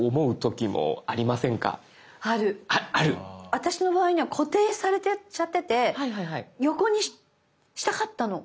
私の場合には固定されちゃってて横にしたかったの。